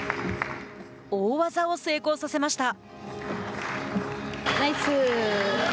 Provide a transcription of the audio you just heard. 大技を成功させました。